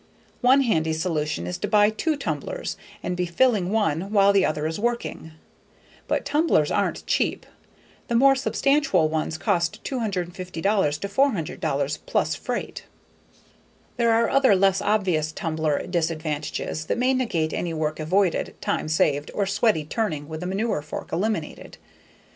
One handy solution is to buy two tumblers and be filling one while the other is working, but tumblers aren't cheap! The more substantial ones cost $250 to $400 plus freight. There are other less obvious tumbler disadvantages that may negate any work avoided, time saved, or sweaty turning with a manure fork eliminated.